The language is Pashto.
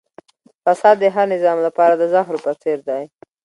فساد د هر نظام لپاره د زهرو په څېر دی.